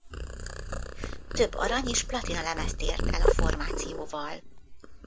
Több arany- és platinalemezt ért el a formációval.